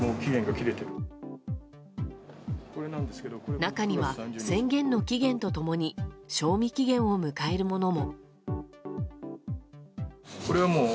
中には、宣言の期限と共に賞味期限を迎えるものも。